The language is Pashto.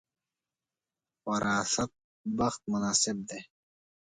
وراثت بخت مناسب دی.